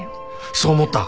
そう思った。